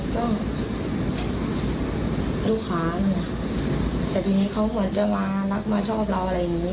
ก็ลูกค้าเนี่ยแต่ทีนี้เขาเหมือนจะมารักมาชอบเราอะไรอย่างนี้